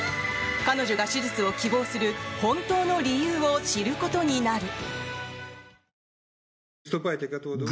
彼女が手術を希望する本当の理由を知ることになる。